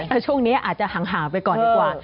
ดนตรีครั้งนี้อาจจะหังไปก่อนดีกว่า